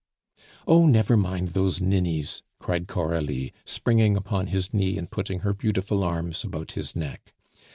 "Oh! never mind those ninnies," cried Coralie, springing upon his knee and putting her beautiful arms about his neck.